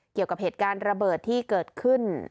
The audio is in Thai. เกี่ยวกับเหตุการณ์ระเบิดที่เกิดขึ้น